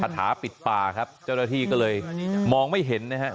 ถาปิดป่าครับเจ้าหน้าที่ก็เลยมองไม่เห็นนะครับ